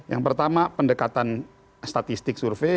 yang pertama pendekatan statistik survei